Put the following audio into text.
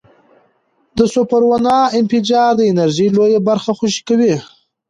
د سوپرنووا انفجار د انرژۍ لویه برخه خوشې کوي.